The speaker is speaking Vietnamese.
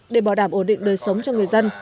để bảo đảm ổn định đời sống cho người dân